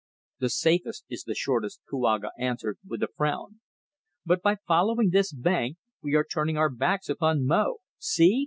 "The safest is the shortest," Kouaga answered with a frown. "But by following this bank we are turning our backs upon Mo. See!"